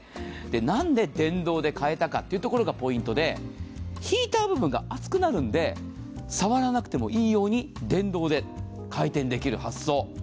なんで電動で変えたかというところがポイントで、ヒーター部分が熱くなるので触らなくてもいいように電動で回転できる発想。